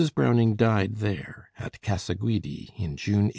Browning died there, at Casa Guidi, in June 1861.